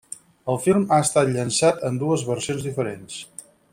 El film h estat llançat en dues versions diferents.